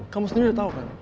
kamu sendiri udah tau kan